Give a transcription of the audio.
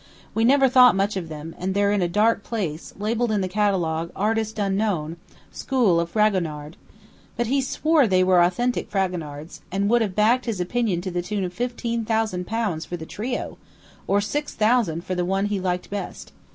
We never thought much of them, and they're in a dark place, labelled in the catalogue 'Artist unknown: School of Fragonard'; but he swore they were authentic Fragonards, and would have backed his opinion to the tune of fifteen thousand pounds for the trio, or six thousand for the one he liked best.